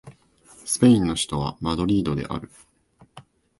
スペインの首都はマドリードである